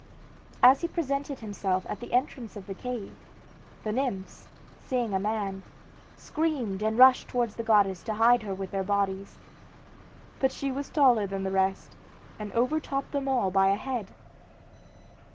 As he presented himself at the entrance of the cave, the nymphs, seeing a man, screamed and rushed towards the goddess to hide her with their bodies. But she was taller than the rest and overtopped them all by a head.